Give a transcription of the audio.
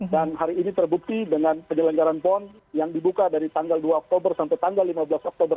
dan hari ini terbukti dengan penyelenggaran pon yang dibuka dari tanggal dua oktober sampai tanggal lima belas oktober